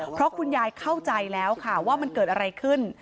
เพราะคุณยายเข้าใจแล้วค่ะว่ามันเกิดอะไรขึ้น